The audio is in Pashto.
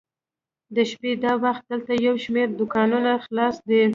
د شپې دا وخت دلته یو شمېر دوکانونه خلاص دي.